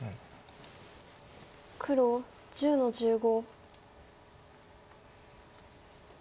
黒１０の十五。